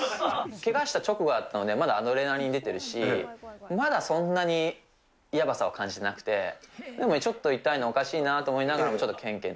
けがした直後は、まだアドレナリン出てるし、まだそんなにやばさを感じてなくて、でも、ちょっと痛いのおかしいなと思いながらも、ちょっとけんけんで。